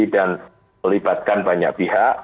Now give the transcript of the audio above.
dan melibatkan banyak pihak